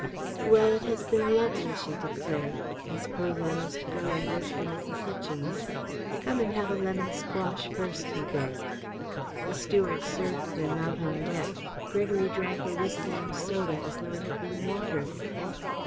"Well, it has been lovely," she declared. "I suppose I must go and look for Mrs. Hichens." "Come and have a lemon squash first," he begged. The steward served them out on deck. Gregory drank a whisky and soda as though it had been water.